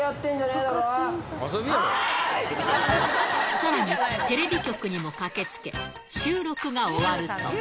さらに、テレビ局にも駆けつけ、収録が終わると。